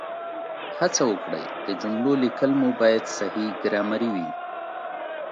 هڅه وکړئ د جملو لیکل مو باید صحیح ګرامري وي